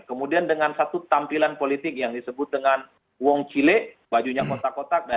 kemudian dengan satu tampilan politik yang disebut dengan wong cile bajunya kotak kotak